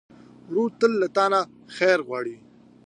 ورور تل له تا نه خیر غواړي.